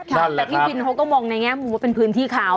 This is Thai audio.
แบบนี้วินเขาก็มองเป็นพื้นที่เขา